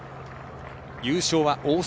優勝は大阪。